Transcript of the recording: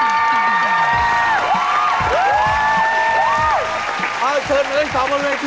เดินไปกันเหมือนฝั่งหน้าเลยครับ